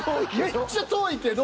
めっちゃ遠いけど。